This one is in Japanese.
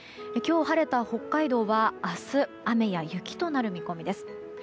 今日晴れた北海道は明日、雨や雪となる見込みです。